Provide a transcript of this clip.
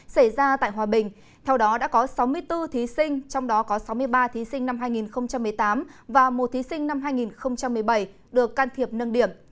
xảy ra tại hòa bình theo đó đã có sáu mươi bốn thí sinh trong đó có sáu mươi ba thí sinh năm hai nghìn một mươi tám và một thí sinh năm hai nghìn một mươi bảy được can thiệp nâng điểm